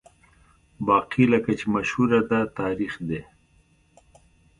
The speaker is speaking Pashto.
باقي لکه چې مشهوره ده، تاریخ دی.